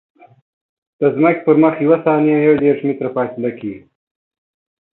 د ځمکې پر مخ یوه ثانیه یو دېرش متره فاصله کیږي